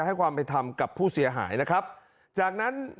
โทรศัพท์โทรศัพท์โทรศัพท์โทรศัพท์